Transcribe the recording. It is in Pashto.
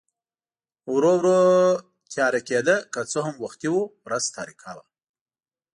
ورو ورو تیاره کېده، که څه هم وختي و، ورځ تاریکه وه.